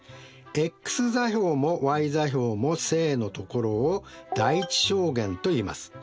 ｘ座標もｙ座標も正のところを第１象限といいます。